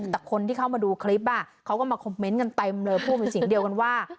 แต่คนที่เข้ามาดูคลิปเขาก็มาคอมเมนต์กันเต็มเลยพูดเป็นเสียงเดียวกันว่า